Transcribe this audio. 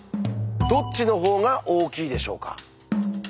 どっちの方が大きいでしょうか？